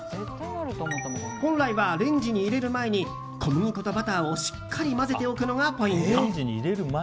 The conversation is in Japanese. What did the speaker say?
本来はレンジに入れる前に小麦粉とバターをしっかり混ぜておくのがポイント。